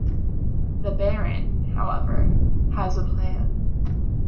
The Baron, however, has a plan.